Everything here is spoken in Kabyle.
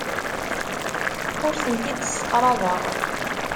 Ur tent-id-sseqrabeɣ.